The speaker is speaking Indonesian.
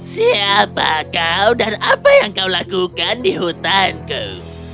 siapa kau dan apa yang kau lakukan di hutanku